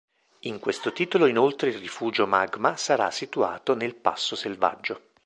In questo titolo inoltre il Rifugio Magma sarà situato nel Passo Selvaggio.